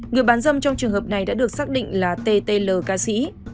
người bán dâm trong trường hợp này đã được xác định là ttl ca sĩ